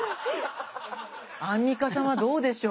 アンミカさんはどうでしょう？